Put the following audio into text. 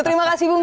terima kasih bung